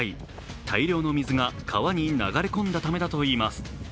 大量の水が川に流れ込んだためだといいます。